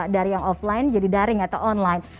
dari yang offline jadi daring atau online